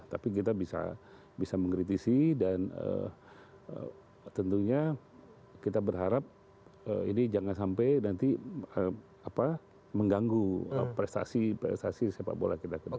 tapi kita bisa mengkritisi dan tentunya kita berharap ini jangan sampai nanti mengganggu prestasi prestasi sepak bola kita ke depan